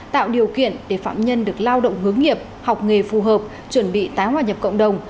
tạo điều kiện để phạm nhân được lao động hướng nghiệp học nghề phù hợp chuẩn bị tái hòa nhập cộng đồng